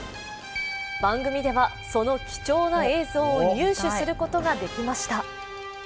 番組ではその貴重な映像を入手することができました。